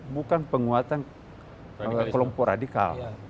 bukan penguatan kelompok radikal